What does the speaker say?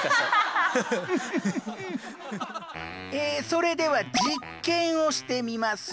それでは実験をしてみます。